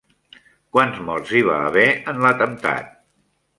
Quants morts hi va haver en l'atemptat?